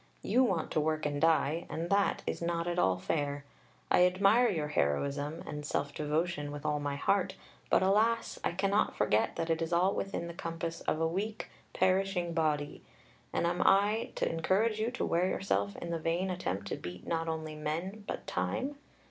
You want to work and die, and that is not at all fair. I admire your heroism and self devotion with all my heart, but alas! I cannot forget that it is all within the compass of a weak, perishing body; and am I to encourage you to wear yourself in the vain attempt to beat not only men, but time?